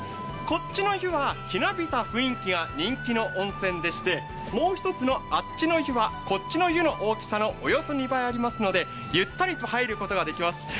こっちの湯はひなびた雰囲気が人気な温泉でしてもう１つの、あっちの湯はこっちの湯の大きさのおよそ２倍ありますので、ゆったりと入ることができます。